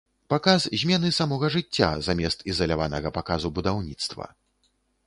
Паказ змены самога жыцця замест ізаляванага паказу будаўніцтва.